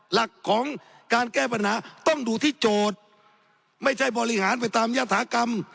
หลักของการแก้ปัญหาต้องดูที่โจทย์ไม่ใช่บริหารไปตามยาฐากรรม